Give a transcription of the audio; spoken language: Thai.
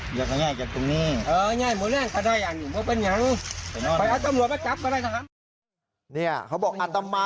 พระขู่คนที่เข้าไปคุยกับพระรูปนี้